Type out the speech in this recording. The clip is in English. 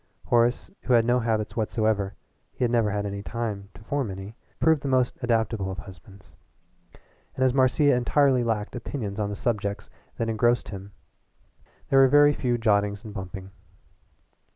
Horace, who had no habits whatsoever he had never had time to form any proved the most adaptable of husbands, and as Marcia entirely lacked opinions on the subjects that engrossed him there were very few jottings and bumping.